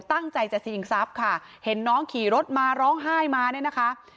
ตั้งใจจะชิงทรัพย์ค่ะเห็นน้องขี่รถมาร้องไห้มาเนี่ยนะคะ